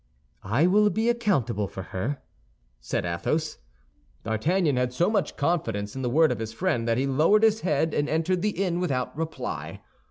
"I will be accountable for her," said Athos. D'Artagnan had so much confidence in the word of his friend that he lowered his head, and entered the inn without reply.